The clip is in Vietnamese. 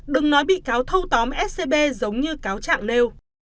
đừng nói bị cáo thâu tóm scb giống như cáo trạng nêu